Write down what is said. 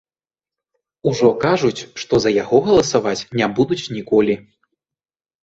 Ужо кажуць што за яго галасаваць не будуць ніколі.